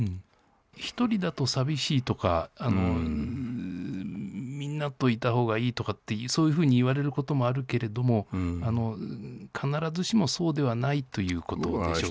１人だと寂しいとか、みんなといたほうがいいとかって、そういうふうにいわれることもあるけれども、必ずしもそうではないということでしょうか。